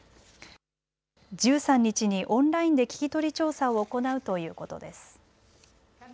１３日にオンラインで聞き取り調査を行うということです。